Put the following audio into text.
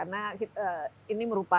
tentang kata ini atau apa